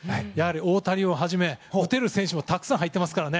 大谷をはじめ打てる選手もたくさん入っているので。